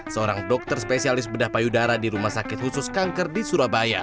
seorang dokter spesialis bedah payudara di rumah sakit khusus kanker di surabaya